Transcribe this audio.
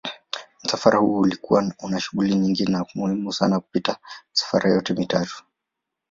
Msafara huu ulikuwa una shughuli nyingi na muhimu sana kupita misafara yote mitatu.